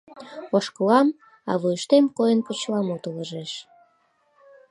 Ошкылам, а вуйыштем койын почеламут ылыжеш: